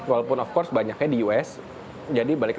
walaupun banyaknya di amerika serikat